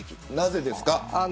なぜですか。